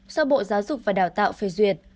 do bộ giáo dục và đào tạo phê duyệt